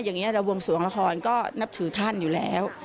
อย่างนี้เราวงสวงละครก็นับถือท่านอยู่แล้ว